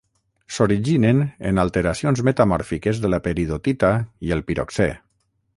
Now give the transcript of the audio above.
S'originen en alteracions metamòrfiques de la peridotita i el piroxè.